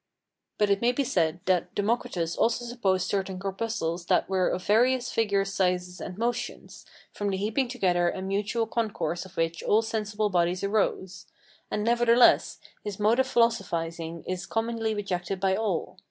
] But it may be said that Democritus also supposed certain corpuscles that were of various figures, sizes, and motions, from the heaping together and mutual concourse of which all sensible bodies arose; and, nevertheless, his mode of philosophizing is commonly rejected by all.